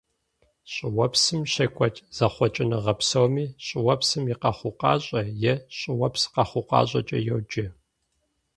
ЩӀыуэпсым щекӀуэкӀ зэхъуэкӀыныгъэ псоми щӀыуэпсым и къэхъукъащӀэ е щӀыуэпс къэхъукъащӀэкӀэ йоджэ.